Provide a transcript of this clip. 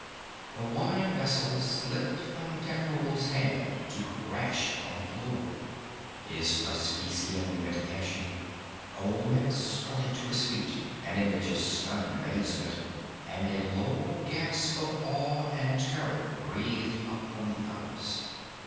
The wine vessel slipped from Techotl's hand to crash on the floor. His dusky skin went ashy. Olmec started to his feet, an image of stunned amazement, and a low gasp of awe or terror breathed up from the others.